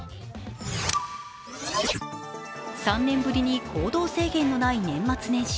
３年ぶりに行動制限のない年末年始。